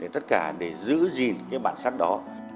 tất cả để giữ gìn cái bản sắc đó